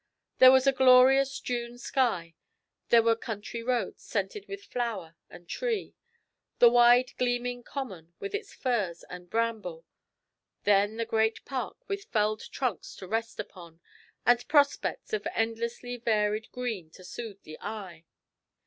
There was a glorious June sky; there were country roads scented with flower and tree; the wide gleaming common with its furze and bramble; then the great park, with felled trunks to rest upon, and prospects of endlessly varied green to soothe the eye.